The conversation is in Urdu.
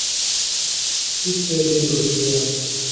اس سے دل اٹھ گیا۔